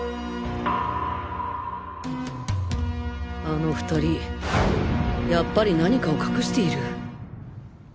あの２人やっぱり何かを隠している